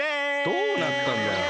どうなったんだよ！